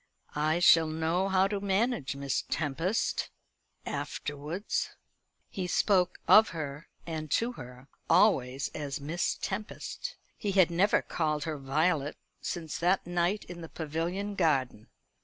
I shall know how to manage Miss Tempest afterwards." He spoke of her, and to her, always as Miss Tempest. He had never called her Violet since that night in the Pavilion garden.